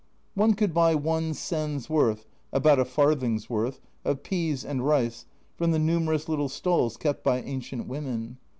One could buy one sen's worth (about a farthing's worth) of peas and rice from the numerous little stalls kept by ancient women.